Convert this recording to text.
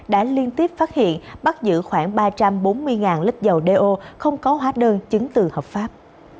đã liên tiếp phát hiện bắt giữ khoảng ba trăm bốn mươi lít dầu đeo không có hóa đơn chứng từ hợp pháp